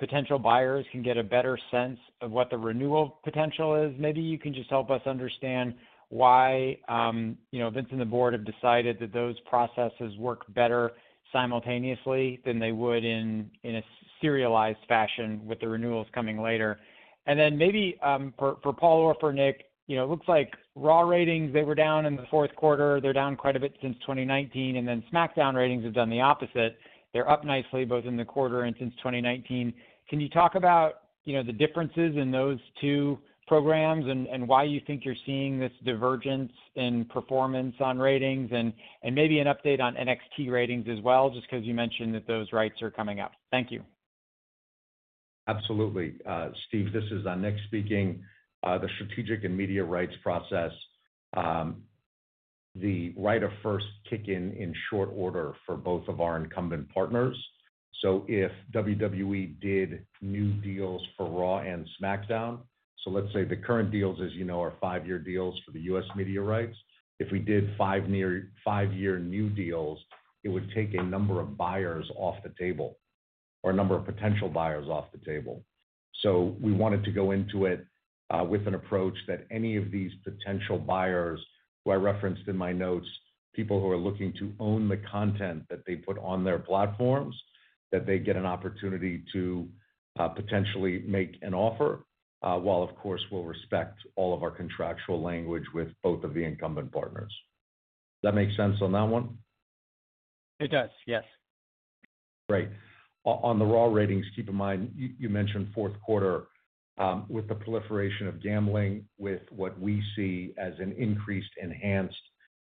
potential buyers can get a better sense of what the renewal potential is. Maybe you can just help us understand why, you know, Vince and the board have decided that those processes work better simultaneously than they would in a serialized fashion with the renewals coming later. Maybe for Paul or for Nick, you know, it looks like Raw ratings, they were down in the fourth quarter. They're down quite a bit since 2019, SmackDown ratings have done the opposite. They're up nicely both in the quarter and since 2019. Can you talk about, you know, the differences in those two programs and why you think you're seeing this divergence in performance on ratings and maybe an update on NXT ratings as well, just because you mentioned that those rights are coming up? Thank you. Absolutely. Steve, this is Nick speaking. The strategic and media rights process, the right of first kick in short order for both of our incumbent partners. If WWE did new deals for Raw and SmackDown, let's say the current deals, as you know, are five-year deals for the U.S. media rights. If we did five-year new deals, it would take a number of buyers off the table or a number of potential buyers off the table. We wanted to go into it with an approach that any of these potential buyers, who I referenced in my notes, people who are looking to own the content that they put on their platforms, that they get an opportunity to potentially make an offer, while, of course, we'll respect all of our contractual language with both of the incumbent partners. That make sense on that one? It does, yes. Great. On the Raw ratings, keep in mind, you mentioned fourth quarter, with the proliferation of gambling, with what we see as an increased, enhanced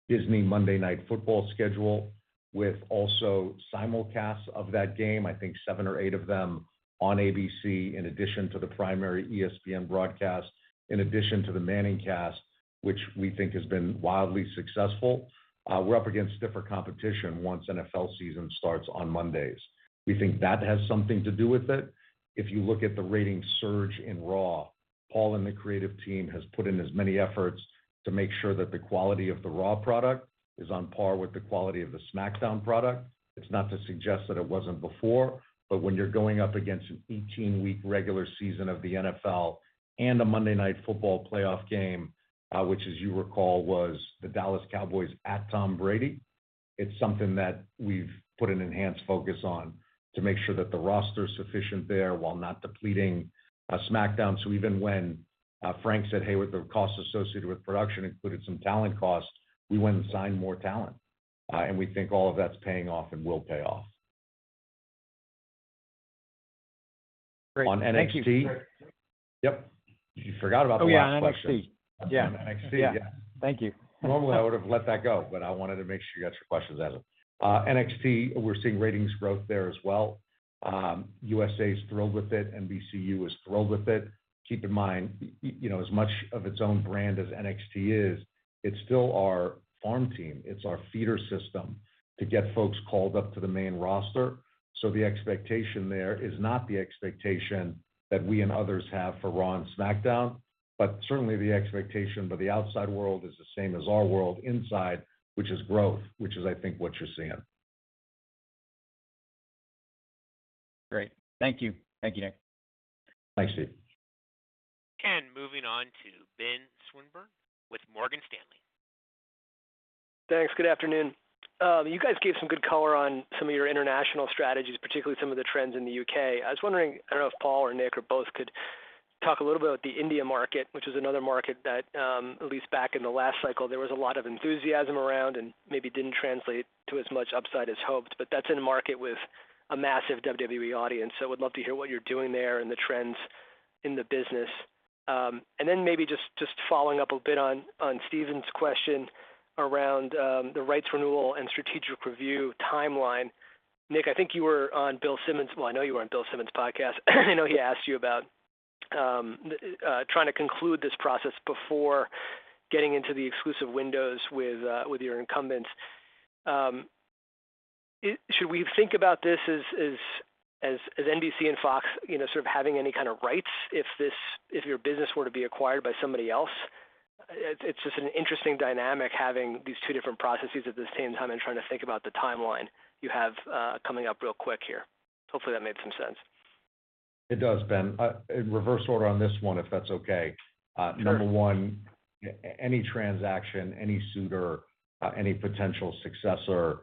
Disney Monday Night Football schedule, with also simulcasts of that game, I think seven or eight of them on ABC, in addition to the primary ESPN broadcast, in addition to the Manningcast, which we think has been wildly successful. We're up against different competition once NFL season starts on Mondays. We think that has something to do with it. If you look at the rating surge in Raw, Paul and the creative team has put in as many efforts to make sure that the quality of the Raw product is on par with the quality of the SmackDown product. It's not to suggest that it wasn't before, but when you're going up against an 18-week regular season of the NFL and a Monday Night Football playoff game, which as you recall, was the Dallas Cowboys at Tom Brady, it's something that we've put an enhanced focus on to make sure that the roster is sufficient there while not depleting SmackDown. Even when Frank said, "Hey, with the costs associated with production included some talent costs," we went and signed more talent. We think all of that's paying off and will pay off. Great. Thank you. On NXT. Yep. You forgot about the last question. Oh, yeah. NXT. Yeah. NXT, yeah. Thank you. Normally, I would have let that go, but I wanted to make sure you got your questions answered. NXT, we're seeing ratings growth there as well. USA is thrilled with it. NBCU is thrilled with it. Keep in mind, you know, as much of its own brand as NXT is, it's still our farm team. It's our feeder system to get folks called up to the main roster. The expectation there is not the expectation that we and others have for Raw and SmackDown, but certainly the expectation by the outside world is the same as our world inside, which is growth, which is, I think, what you're seeing. Great. Thank you. Thank you, Nick. Thanks, Steve. Moving on to Benjamin Swinburne with Morgan Stanley. Thanks. Good afternoon. You guys gave some good color on some of your international strategies, particularly some of the trends in the U.K. I was wondering, I don't know if Paul or Nick or both could talk a little bit about the India market, which is another market that, at least back in the last cycle, there was a lot of enthusiasm around and maybe didn't translate to as much upside as hoped, but that's in a market with a massive WWE audience. Would love to hear what you're doing there and the trends in the business. And then maybe just following up a bit on Steven's question around the rights renewal and strategic review timeline. Nick, Well, I know you were on Bill Simmons' podcast. I know he asked you about, trying to conclude this process before getting into the exclusive windows with your incumbents. Should we think about this as NBC and Fox, you know, sort of having any kind of rights if your business were to be acquired by somebody else? It's just an interesting dynamic having these two different processes at the same time and trying to think about the timeline you have, coming up real quick here. Hopefully, that made some sense. It does, Ben. in reverse order on this one, if that's okay. Sure. Number one, any transaction, any suitor, any potential successor,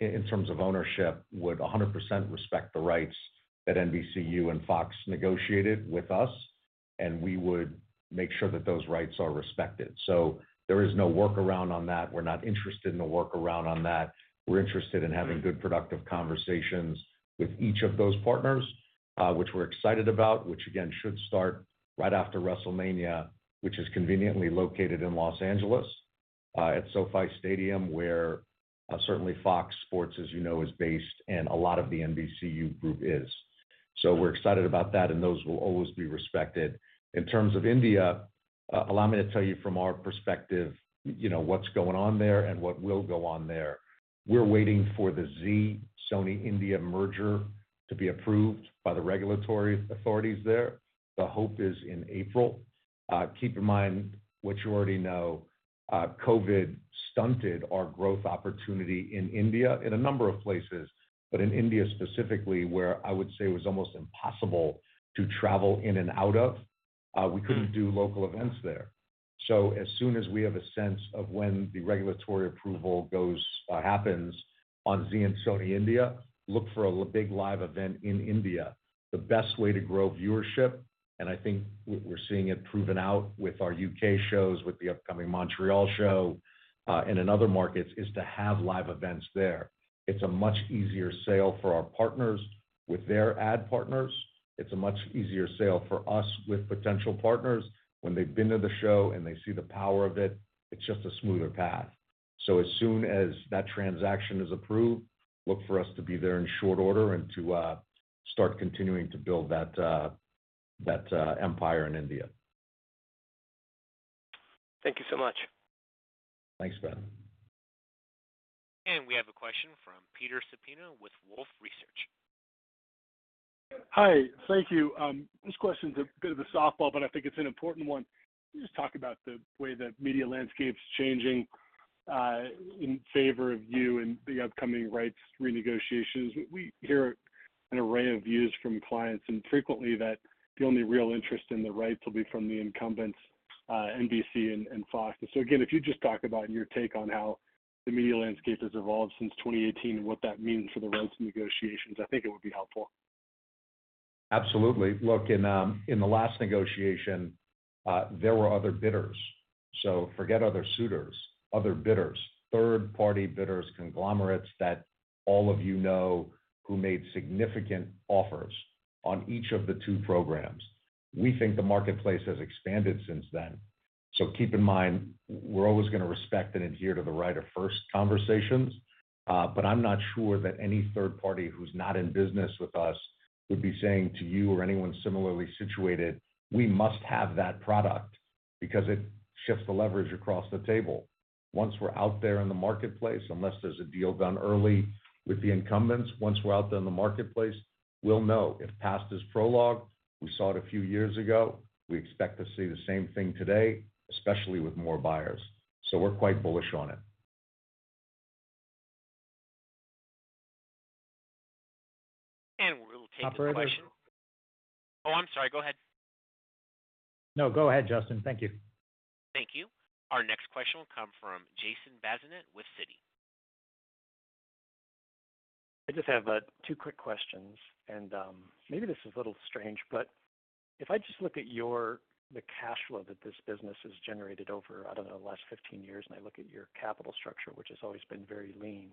in terms of ownership would 100% respect the rights that NBCU and Fox negotiated with us, and we would make sure that those rights are respected. There is no workaround on that. We're not interested in a workaround on that. We're interested in having good, productive conversations with each of those partners, which we're excited about, which again should start right after WrestleMania, which is conveniently located in Los Angeles, at SoFi Stadium, where certainly Fox Sports, as you know, is based and a lot of the NBCU group is. We're excited about that, and those will always be respected. In terms of India, allow me to tell you from our perspective, you know, what's going on there and what will go on there. We're waiting for the Zee-Sony India merger to be approved by the regulatory authorities there. The hope is in April. Keep in mind what you already know, COVID stunted our growth opportunity in India, in a number of places. In India specifically, where I would say it was almost impossible to travel in and out of, we couldn't do local events there. As soon as we have a sense of when the regulatory approval happens on Zee and Sony India, look for a big live event in India. The best way to grow viewership, and I think we're seeing it proven out with our U.K. shows, with the upcoming Montreal show, and in other markets, is to have live events there. It's a much easier sale for our partners with their ad partners. It's a much easier sale for us with potential partners when they've been to the show and they see the power of it's just a smoother path. As soon as that transaction is approved, look for us to be there in short order and to start continuing to build that empire in India. Thank you so much. Thanks, Ben. We have a question from Peter Supino with Wolfe Research. Hi. Thank you. This question is a bit of a softball, but I think it's an important one. Can you just talk about the way the media landscape's changing in favor of you in the upcoming rights renegotiations? We hear an array of views from clients, and frequently that the only real interest in the rights will be from the incumbents, NBC and Fox. Again, if you just talk about your take on how the media landscape has evolved since 2018 and what that means for the rights negotiations, I think it would be helpful. Absolutely. Look, in the last negotiation, there were other bidders. Forget other suitors, other bidders, third-party bidders, conglomerates that all of you know, who made significant offers on each of the two programs. We think the marketplace has expanded since then. Keep in mind, we're always gonna respect and adhere to the right of first conversations, but I'm not sure that any third party who's not in business with us would be saying to you or anyone similarly situated, "We must have that product," because it shifts the leverage across the table. Once we're out there in the marketplace, unless there's a deal done early with the incumbents, once we're out there in the marketplace, we'll know. If past is prologue, we saw it a few years ago, we expect to see the same thing today, especially with more buyers. We're quite bullish on it. We'll take a question. Operator. Oh, I'm sorry. Go ahead. No, go ahead, Justin. Thank you. Thank you. Our next question will come from Jason Bazinet with Citi. I just have, two quick questions, and, maybe this is a little strange, but if I just look at the cash flow that this business has generated over, I don't know, the last 15 years, and I look at your capital structure, which has always been very lean,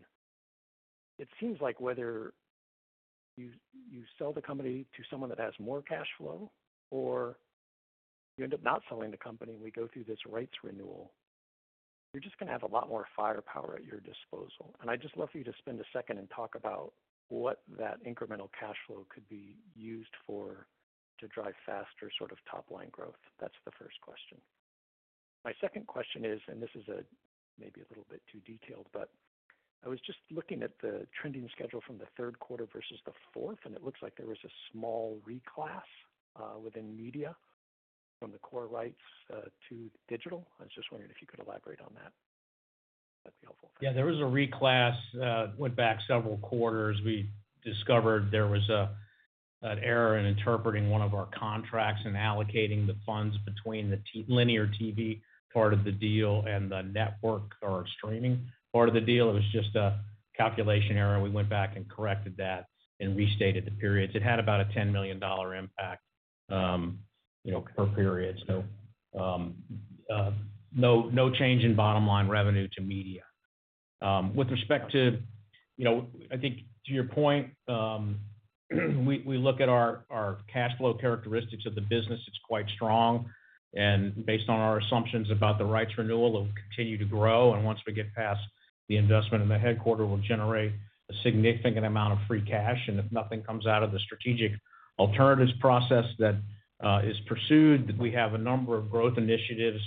it seems like whether you sell the company to someone that has more cash flow or you end up not selling the company, and we go through this rights renewal, you're just gonna have a lot more firepower at your disposal. I'd just love for you to spend a second and talk about what that incremental cash flow could be used for to drive faster sort of top-line growth. That's the first question. My second question is, and this is, maybe a little bit too detailed, but I was just looking at the trending schedule from the third quarter versus the fourth, and it looks like there was a small reclass, within media from the core rights, to digital. I was just wondering if you could elaborate on that. That'd be helpful. Yeah, there was a reclass, went back several quarters. We discovered there was an error in interpreting one of our contracts and allocating the funds between the linear TV part of the deal and the network or streaming part of the deal. It was just a calculation error. We went back and corrected that and restated the periods. It had about a $10 million impact, you know, per period. No change in bottom line revenue to media. With respect to, you know, I think to your point, we look at our cash flow characteristics of the business, it's quite strong. Based on our assumptions about the rights renewal, it'll continue to grow. Once we get past the investment in the headquarter, we'll generate a significant amount of free cash. If nothing comes out of the strategic alternatives process that is pursued, we have a number of growth initiatives,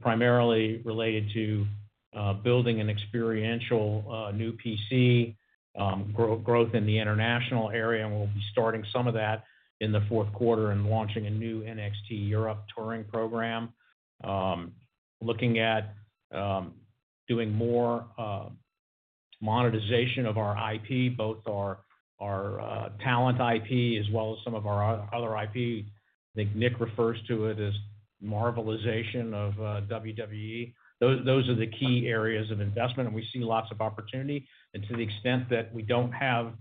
primarily related to building an experiential new PC, growth in the international area, and we'll be starting some of that in the fourth quarter and launching a new NXT Europe touring program. Looking at doing more monetization of our IP, both our talent IP as well as some of our other IP. I think Nick refers to it as Marvelization of WWE. Those are the key areas of investment, and we see lots of opportunity. To the extent that we don't have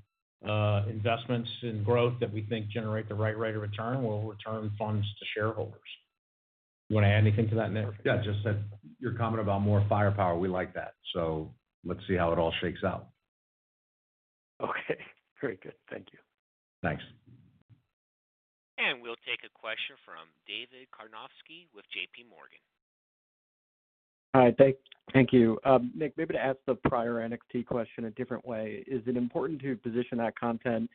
investments in growth that we think generate the right rate of return, we'll return funds to shareholders. You wanna add anything to that, Nick? Yeah, just that your comment about more firepower, we like that. Let's see how it all shakes out. Okay. Very good. Thank you. Thanks. We'll take a question from David Karnovsky with JPMorgan. Hi, thank you. Nick, maybe to ask the prior NXT question a different way, is it important to position that content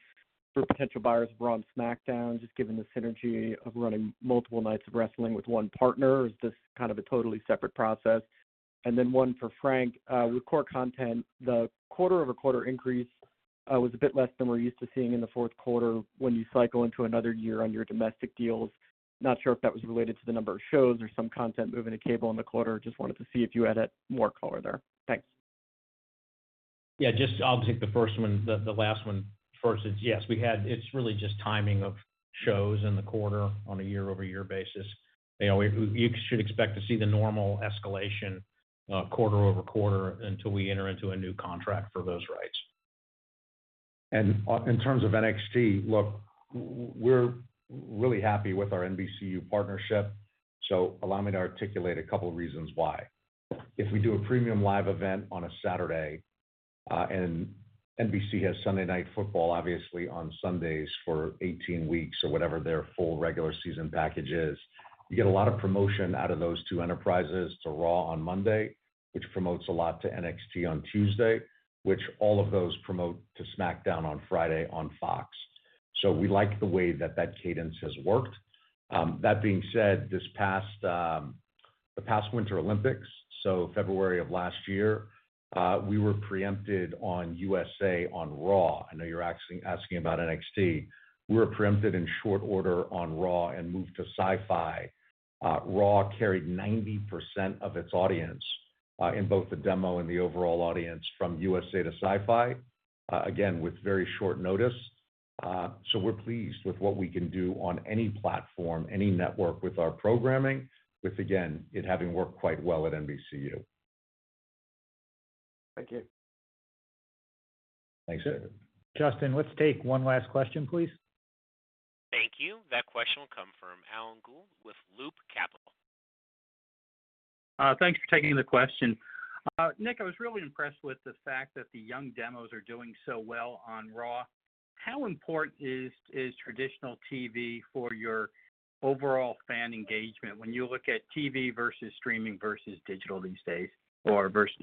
for potential buyers of Raw, SmackDown, just given the synergy of running multiple nights of wrestling with one partner? Is this kind of a totally separate process? Then one for Frank. With core content, the quarter-over-quarter increase was a bit less than we're used to seeing in the fourth quarter when you cycle into another year on your domestic deals. Not sure if that was related to the number of shows or some content moving to cable in the quarter. Just wanted to see if you had more color there. Thanks. Just I'll take the first one, the last one first. It's yes, it's really just timing of shows in the quarter on a year-over-year basis. You know, you should expect to see the normal escalation, quarter-over-quarter until we enter into a new contract for those rights. In terms of NXT, look, we're really happy with our NBCU partnership. Allow me to articulate a couple reasons why. If we do a premium live event on a Saturday, and NBC has Sunday Night Football, obviously on Sundays for 18 weeks or whatever their full regular season package is, you get a lot of promotion out of those two enterprises to Raw on Monday, which promotes a lot to NXT on Tuesday, which all of those promote to SmackDown on Friday on Fox. We like the way that that cadence has worked. That being said, this past, the past Winter Olympics, so February of last year, we were preempted on USA on Raw. I know you're asking about NXT. We were preempted in short order on Raw and moved to SYFY. Raw carried 90% of its audience in both the demo and the overall audience from USA to SYFY, again, with very short notice. We're pleased with what we can do on any platform, any network with our programming, with again, it having worked quite well at NBCU. Thank you. Thanks. Justin, let's take one last question, please. Thank you. That question will come from Alan Gould with Loop Capital. Thanks for taking the question. Nick, I was really impressed with the fact that the young demos are doing so well on Raw. How important is traditional TV for your overall fan engagement when you look at TV versus streaming versus digital these days or versus,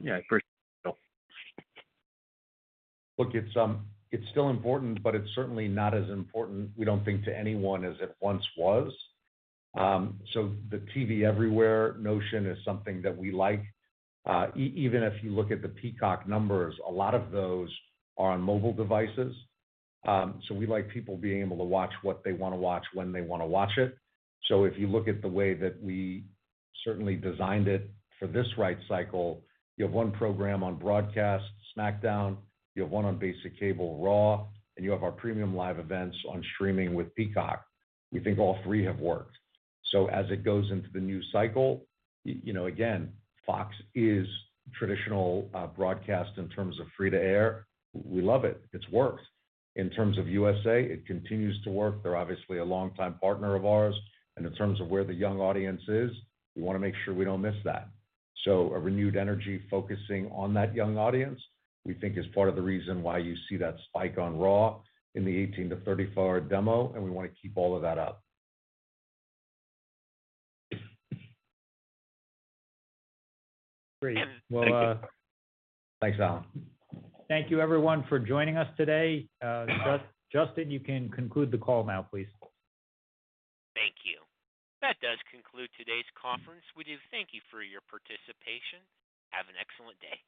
yeah, versus digital? Look, it's still important, but it's certainly not as important, we don't think, to anyone as it once was. The TV everywhere notion is something that we like. Even if you look at the Peacock numbers, a lot of those are on mobile devices. We like people being able to watch what they wanna watch when they wanna watch it. If you look at the way that we certainly designed it for this right cycle, you have one program on broadcast, SmackDown, you have one on basic cable, Raw, and you have our premium live events on streaming with Peacock. We think all three have worked. As it goes into the new cycle, you know, again, Fox is traditional broadcast in terms of free to air. We love it. It's worked. In terms of USA., it continues to work. They're obviously a longtime partner of ours. In terms of where the young audience is, we wanna make sure we don't miss that. A renewed energy focusing on that young audience, we think is part of the reason why you see that spike on Raw in the 18-34 demo, and we wanna keep all of that up. Great. Well. Thanks, Alan. Thank you everyone for joining us today. Justin, you can conclude the call now, please. Thank you. That does conclude today's conference. We do thank you for your participation. Have an excellent day.